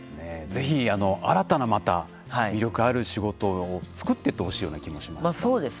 ぜひ、新たなまた魅力ある仕事を作っていってほしいような気がします。